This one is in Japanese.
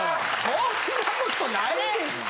そんなことないですって。